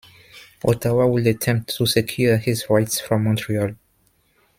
Ottawa would attempt to secure his rights from Montreal.